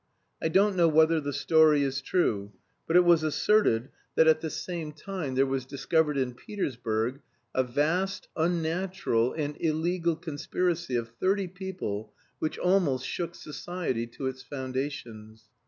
I don't know whether the story is true, but it was asserted that at the same time there was discovered in Petersburg a vast, unnatural, and illegal conspiracy of thirty people which almost shook society to its foundations.